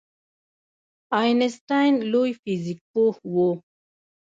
آینسټاین لوی فزیک پوه و